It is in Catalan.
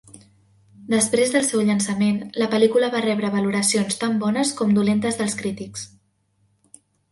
Després del seu llançament, la pel·lícula va rebre valoracions tant bones com dolentes dels crítics.